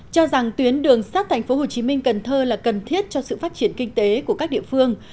cho rằng tuyến đường sát thành phố hồ chí minh cần thơ là cần thiết cho sự phát triển kinh tế của các địa phương